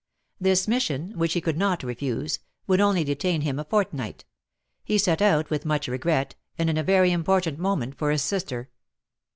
This mission, which he could not refuse, would only detain him a fortnight: he set out with much regret, and in a very important moment for his sister.